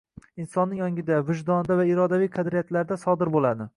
insonning ongida, vijdonida va irodaviy qadriyatlarida sodir bo‘ladi.